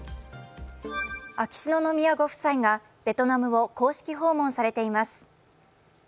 秋篠宮ご夫妻がベトナムを公式訪問されています。